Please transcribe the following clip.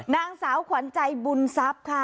นางสาวขวัญใจบุญทรัพย์ค่ะ